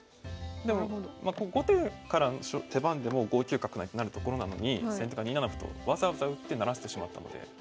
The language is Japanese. でも後手からの手番でも５九角成となるところなのに先手が２七歩とわざわざ打って成らせてしまったので。